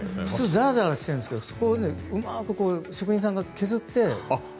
ざらざらしているんですけどそこを職人さんが削って。